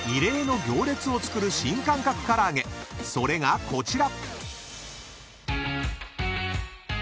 ［それがこちら］